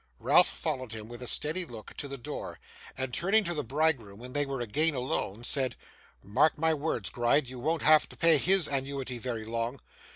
Ralph followed him, with a steady look, to the door; and, turning to the bridegroom, when they were again alone, said, 'Mark my words, Gride, you won't have to pay HIS annuity very long.